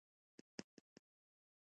د کور دننه لږ حرکت کول هم روغتیا ته ګټه لري.